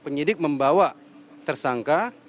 ya penyidik membawa tersangka